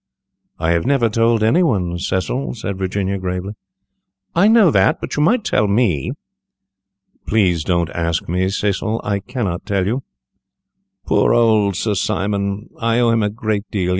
"I have never told any one, Cecil," said Virginia, gravely. "I know that, but you might tell me." "Please don't ask me, Cecil, I cannot tell you. Poor Sir Simon! I owe him a great deal.